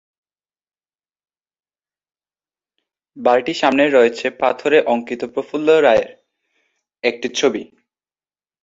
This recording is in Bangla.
বাড়িটির সামনেই রয়েছে পাথরে অঙ্কিত প্রফুল্ল চন্দ্র রায়ের একটি ছবি।